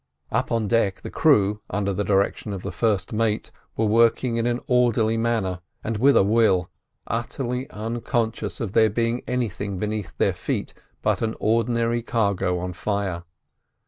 Up on deck the crew, under the direction of the first mate, were working in an orderly manner, and with a will, utterly unconscious of there being anything beneath their feet but an ordinary cargo on fire.